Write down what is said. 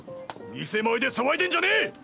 店前で騒いでんじゃねぇ！